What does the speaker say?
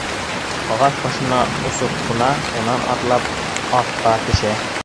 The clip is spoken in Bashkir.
Ағас башына осоп ҡуна, унан атлап аҫҡа төшә.